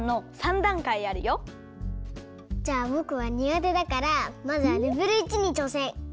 じゃあぼくはにがてだからまずはレベル１にちょうせん。